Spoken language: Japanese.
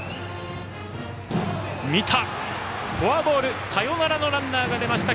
フォアボールサヨナラのランナーが出ました